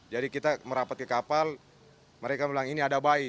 jadi kita merapat ke kapal mereka bilang ini ada bayi